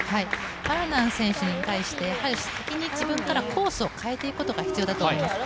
パラナン選手に対して先に自分からコースを変えていくことが必要だと思います。